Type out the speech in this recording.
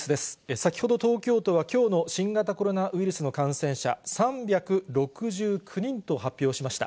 先ほど、東京都は、きょうの新型コロナウイルスの感染者、３６９人と発表しました。